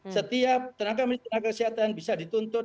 setiap tenaga kesehatan bisa dituntut